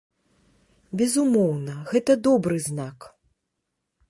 Безумоўна, гэта добры знак.